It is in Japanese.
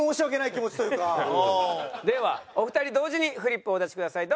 ではお二人同時にフリップをお出しください。